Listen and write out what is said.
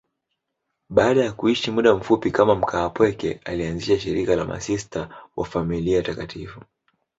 Baada ya kuishi muda mfupi kama mkaapweke, alianzisha shirika la Masista wa Familia Takatifu.